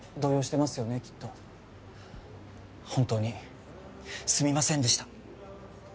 本当にすみませんでした。